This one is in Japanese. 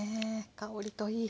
香りといい。